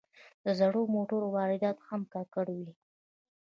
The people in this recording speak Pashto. د زړو موټرو واردات هوا ککړوي.